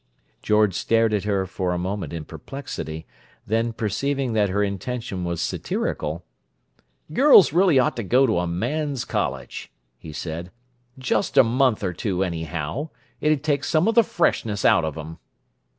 George stared at her for a moment in perplexity, then perceiving that her intention was satirical, "Girls really ought to go to a man's college," he said—"just a month or two, anyhow; It'd take some of the freshness out of 'em!"